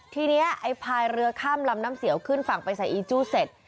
ทีนี้ไอ้พายเรือข้ามลำน้ำเสียวขึ้นฝั่งไปใส่อีจู้เสร็จ